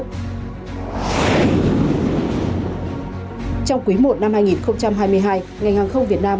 trong quý i năm hai nghìn hai mươi hai ngành hàng không việt nam